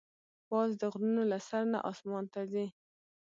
باز د غرونو له سر نه آسمان ته ځي